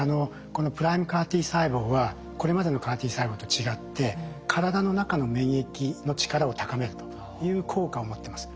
このＰＲＩＭＥＣＡＲ−Ｔ細胞はこれまでのＣＡＲ−Ｔ細胞と違って体の中の免疫の力を高めるという効果を持ってます。